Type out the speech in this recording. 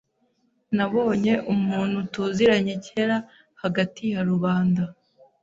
Nabonye umuntu tuziranye kera hagati ya rubanda.